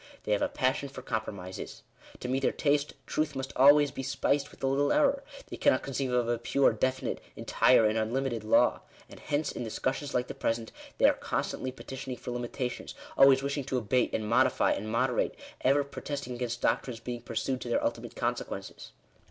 They have a passion for compromises. To meet their taste, Truth must always be spiced with a little Error. They cannot conceive of a pure, definite, entire, and unlimited law. And hence, in dis cussions like the present, they are constantly petitioning for limitations — always wishing to abate, and modify, and moderate — ever protesting against doctrines being pursued to their ulti mate consequences.